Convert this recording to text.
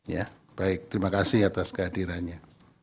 ya baik terima kasih atas kehadirannya